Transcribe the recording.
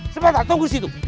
sebentar tunggu di situ